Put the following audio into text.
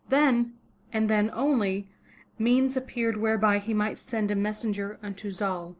Then, and then only, means appeared whereby he might send a messenger unto Zal.